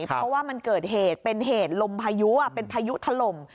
เพราะว่ามันเกิดเหตุเป็นเหตุลมพายุเป็นพายุถล่ม